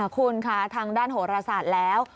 คุณค่ะทางด้านโหรศาสตร์แล้ว